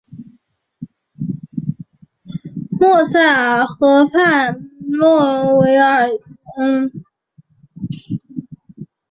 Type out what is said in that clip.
莫塞尔河畔诺韦昂。